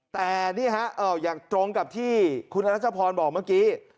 แต่นี่อย่างตรงกับที่คุณธรรมจับฟ้อกีน